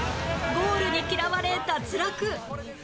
ゴールに嫌われ脱落